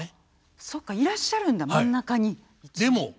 そっかいらっしゃるんだ真ん中に。